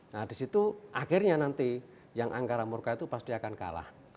nah disitu akhirnya nanti yang angkara murka itu pasti akan kalah